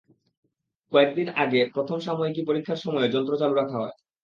কয়েক দিন আগে প্রথম সাময়িকী পরীক্ষার সময়ও যন্ত্র চালু রাখা হয়।